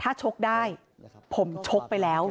ถ้าชกได้ผมชกไปแล้ว